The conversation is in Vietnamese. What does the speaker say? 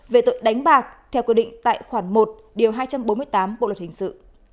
về tội đánh bạc theo quy định tại khoản một điều hai trăm bốn mươi tám bộ luật hình sự